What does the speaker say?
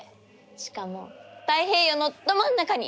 しかも太平洋のど真ん中に！